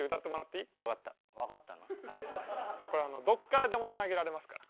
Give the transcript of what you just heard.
これはどっからでもつなげられますから。